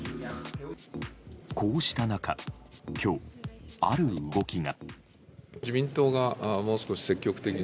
こうした中今日、ある動きが。